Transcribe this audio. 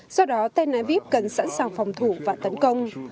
do đó tel aviv cần sẵn sàng phòng thủ và tấn công